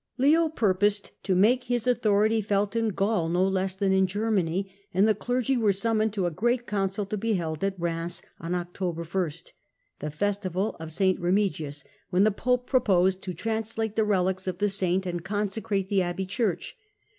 Leo purposed to make his authority felt in Gaul no less than in Germany, and the clergy were summoned to a great council to be held at Eeims, on October 1, the festival of St. Remigius, when the pope proposed to translate the relics of the saint and consecrate the abbey church.